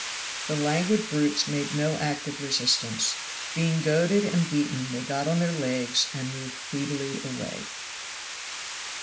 The languid brutes made no active resistance. Being goaded and beaten they got on their legs and moved feebly away.